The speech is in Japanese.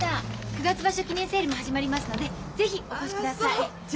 九月場所記念セールも始まりますので是非お越しください。